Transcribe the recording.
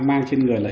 mang trên người là